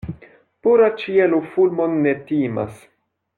Pura ĉielo fulmon ne timas.